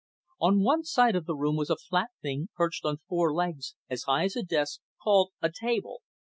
On one side of the room was a flat thing perched on four legs as high as the desk, called a table.